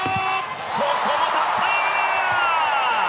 ここは立った！